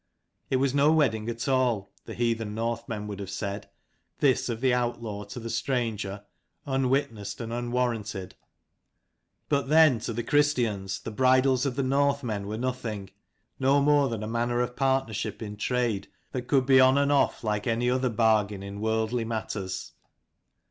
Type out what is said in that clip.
It was no wedding at all, the heathen Northmen would have said, this of the outlaw to the stranger, unwitnessed and unwarranted. But then, to the Christians the bridals of the Northmen were nothing, no more than a manner of partnership in trade, that could be on and off like any other bargain in worldly matters.